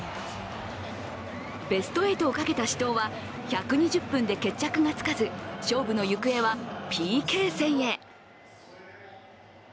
ベスト８をかけた死闘は１２０分で決着がつかず勝負の行方はＰＫ戦へ。